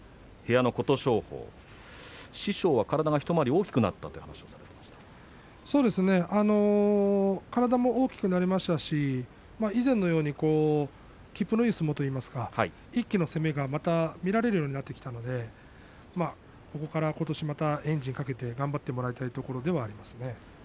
部屋の琴勝峰、師匠は体が一回り大きくなった体も大きくなりましたし以前のようにきっぷのいい相撲というか一気の攻めがまた見られるようになったのでここから、ことしまたエンジンをかけて頑張ってもらいたいところですね。